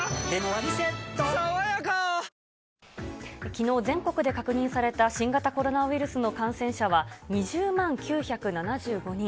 きのう全国で確認された新型コロナウイルスの感染者は２０万９７５人。